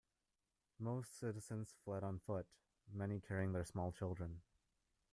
Most citizens fled on foot, many carrying their small children.